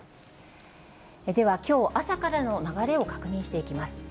では、きょう朝からの流れを確認していきます。